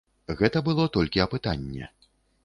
Гэта было толькі апытанне.